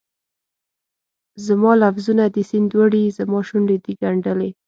زما لفظونه دي سیند وړي، زماشونډې دي ګنډلي